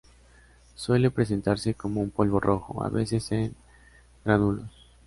Suele presentarse como un polvo rojo, a veces en gránulos.